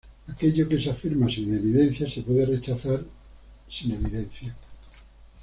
Aquello que se afirma sin evidencia se puede rechazar sin evidencia.